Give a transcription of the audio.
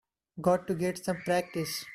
Got to get some practice.